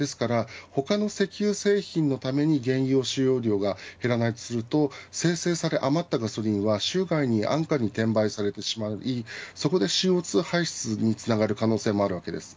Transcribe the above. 他の石油製品のために原油使用量が減らないと生成され余ったガソリンは州外に安価に転売されてしまいそこでＣＯ２排出につながる可能性もあります。